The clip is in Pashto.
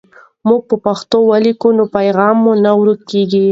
موږ په پښتو ولیکو نو پیغام مو نه ورکېږي.